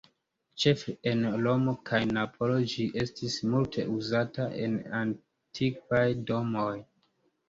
Ĉefe en Romo kaj Napolo ĝi estis multe uzata en antikvaj domoj.